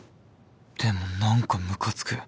でもなんかムカつく。